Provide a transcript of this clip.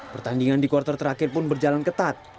pertandingan di kuartal terakhir pun berjalan ketat